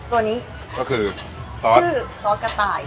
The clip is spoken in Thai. ตัวก็คือซอสกะตาย